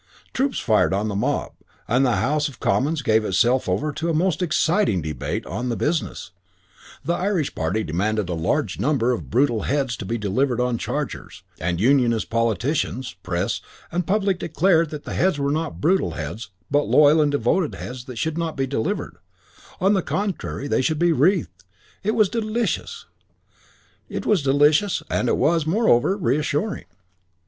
Troops fired on the mob, and the House of Commons gave itself over to a most exciting debate on the business; the Irish Party demanded a large number of brutal heads to be delivered on chargers; and Unionist politicians, Press, and public declared that the heads were not brutal heads but loyal and devoted heads and should not be delivered; on the contrary they should be wreathed. It was delicious. II It was delicious and it was, moreover, reassuring.